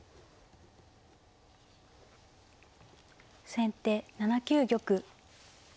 先手７九玉。